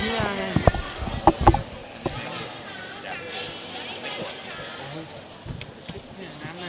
สุดท้ายเท่าไหร่สุดท้ายเท่าไหร่